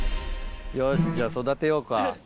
よしじゃあ育てようか。